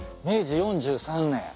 明治４３年。